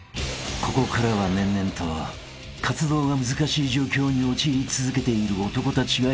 ここからは年々と活動が難しい状況に陥り続けている男たちがやって来る］